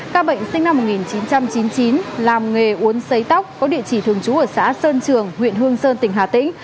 các bệnh sinh năm một nghìn chín trăm chín mươi chín làm nghề uốn xấy tóc có địa chỉ thường trú ở xã sơn trường huyện hương sơn tỉnh hà tĩnh